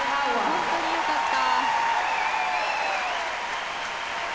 本当によかった。